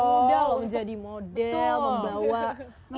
gak mudah loh menjadi model membawa baju baju